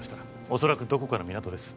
おそらくどこかの港です